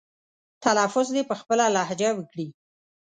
تلفظ دې په خپله لهجه وکړي.